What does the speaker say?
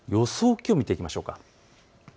気温を見ていきましょう。